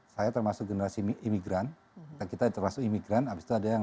saya termasuk generasi imigran kita termasuk imigran abis itu ada yang